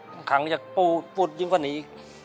บางครั้งอยากปูดยิ่งกว่านี้